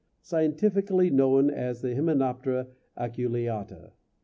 scientifically known as the Hymenoptera Aculeata.